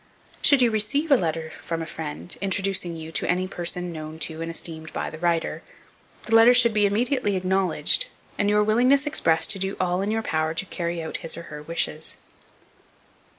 Should you receive a letter from a friend, introducing to you any person known to and esteemed by the writer, the letter should be immediately acknowledged, and your willingness expressed to do all in your power to carry out his or her wishes.